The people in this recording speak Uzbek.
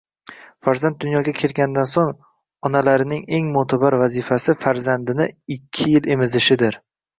Farzand dunyoga kelgandan so‘ng, onalarining eng mo‘tabar vazifasi farzandni ikki yil emizishidir